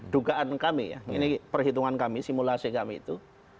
dugaan kami ya ini perhitungan kami simulasi kami itu